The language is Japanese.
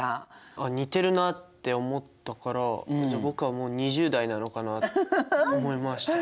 あっ似てるなって思ったからじゃあ僕はもう２０代なのかなって思いました。